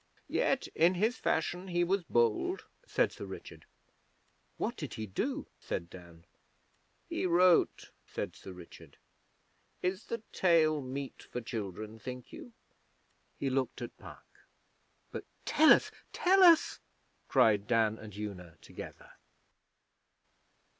Yet, in his fashion, he was bold,' said Sir Richard. 'What did he do?' said Dan. 'He wrote,' said Sir Richard. 'Is the tale meet for children, think you?' He looked at Puck; but 'Tell us! Tell us!' cried Dan and Una together.